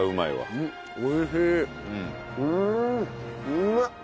うまっ。